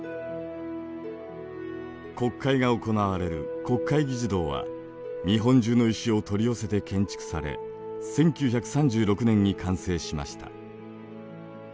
国会が行われる国会議事堂は日本中の石を取り寄せて建設され１９３６年に完成しました。